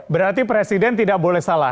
berarti presiden tidak boleh salah